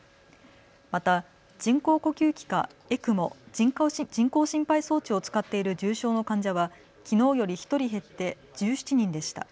また人工呼吸器かＥＣＭＯ・人工心肺装置を使っている重症の患者はきのうより１人減って１７人でした。